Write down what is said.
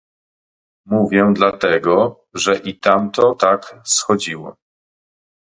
"Mówię dlatego, że i tamto... Tak schodziło."